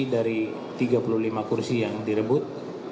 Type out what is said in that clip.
dari tiga puluh lima kursi yang direbut